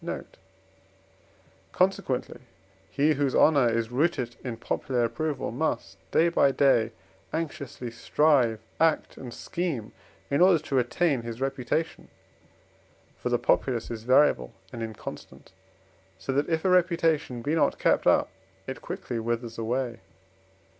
note); consequently, he whose honour is rooted in popular approval must, day by day, anxiously strive, act, and scheme in order to retain his reputation. For the populace is variable and inconstant, so that, if a reputation be not kept up, it quickly withers away.